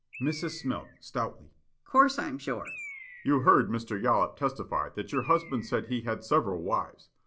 Mrs. Smilk, stoutly; "Course I'm sure." The State: "You heard Mr. Yollop testify that your husband said he had several wives.